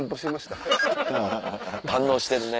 堪能してるね。